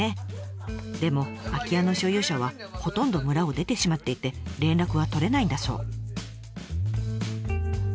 でも空き家の所有者はほとんど村を出てしまっていて連絡は取れないんだそう。